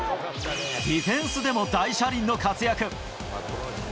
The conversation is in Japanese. ディフェンスでも大車輪の活躍。